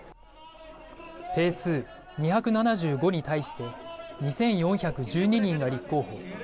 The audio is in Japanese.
定数２７５に対して２４１２人が立候補。